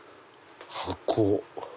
箱。